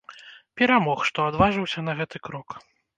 Перамог, што адважыўся на гэты крок.